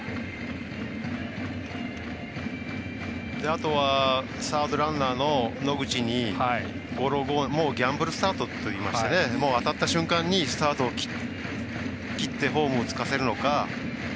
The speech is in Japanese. あとはサードランナーの野口にギャンブルスタートといいまして当たった瞬間にスタートを切ってホームをつかせるのか。